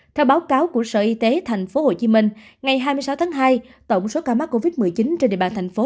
theo báo cáo của sở y tế tp hcm ngày hai mươi sáu tháng hai tổng số ca mắc covid một mươi chín trên địa bàn thành phố